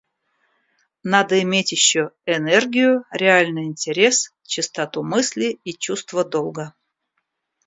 Надо иметь ещё энергию, реальный интерес, чистоту мысли и чувство долга.